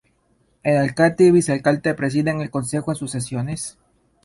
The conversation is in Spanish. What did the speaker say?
El alcalde y el vicealcalde presiden el concejo en sus sesiones.